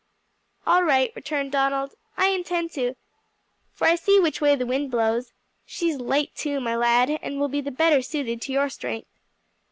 "All right," returned Donald, "I intended to, for I see which way the wind blows. She's light too, my lad, and will be the better suited to your strength."